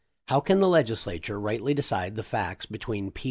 How can the Legislature rightly decide the facts between P.